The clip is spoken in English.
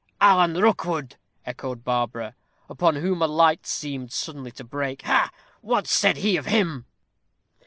"Alan Rookwood!" echoed Barbara, upon whom a light seemed suddenly to break; "ha! what said he of him?"